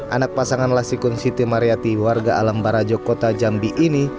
anak pasangan lasikun siti mariyati warga alam barajo kota jambi ini